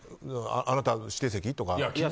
あなた指定席？とか。